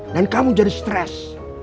dan kamu jadi stres